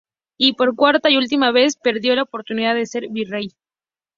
Y por cuarta y última vez, perdió la oportunidad de ser virrey.